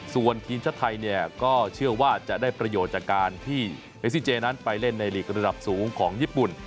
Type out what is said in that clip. ส่วนทีมชาติไทยเนี่ยก็เชื่อว่าจะได้ประโยชน์จากการที่เมซิเจนั้นไปเล่นในหลีกระดับสูงของญี่ปุ่น